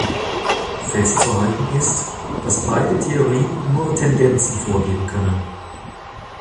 Festzuhalten ist, dass beide Theorien nur Tendenzen vorgeben können.